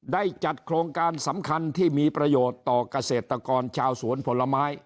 ได้จัดโครงการสำคัญที่มีประโยชน์ต่อเกษตรกรชาวสวนผลไม้